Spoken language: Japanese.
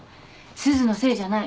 すずのせいじゃない。